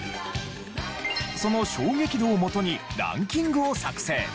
その衝撃度をもとにランキングを作成。